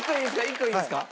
一個いいですか？